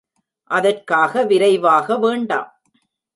அதற்காக விரைவாக வேண்டாம்.